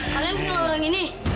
kalian pilih orang ini